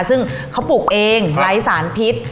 ซึ่งเขาปลูกเองไร้สารพิษ